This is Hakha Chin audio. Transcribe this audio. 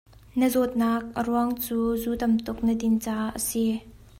Na zawtnak a ruang cu zu tam tuk na din caah a si.